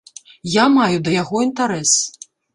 Я маю да яго інтэрас.